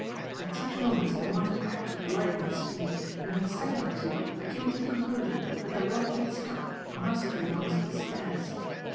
At such moments the mind acts with lightning speed, and in a second or two I came to the conclusion that the rock we had struck must be amongst the Skares.